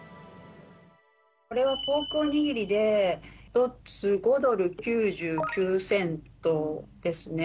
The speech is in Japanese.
これはポークお握りで、１つ、５ドル９９セントですね、